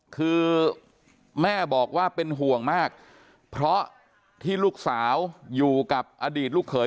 คือแม่บอกว่าเป็นห่วงมากเพราะที่ลูกสาวอยู่กับอดีตลูกเขย